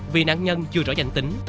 vì nạn nhân chưa rõ danh tính